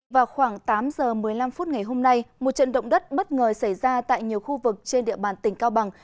vào khoảng tám giờ một mươi năm phút ngày hôm nay một trận động đất bất ngờ xảy ra tại nhiều khu vực trên địa bàn tỉnh cao bằng